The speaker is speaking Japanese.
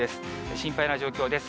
心配な状況です。